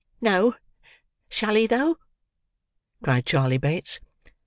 "No, shall he though?" cried Charley Bates.